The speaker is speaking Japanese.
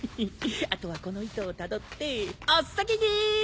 あとはこの糸をたどっておっ先に！